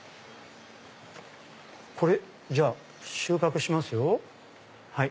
じゃあ収穫しますよ。